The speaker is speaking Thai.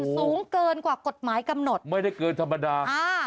สูงเกินกว่ากฎหมายกำหนดไม่ได้เกินธรรมดาอ่า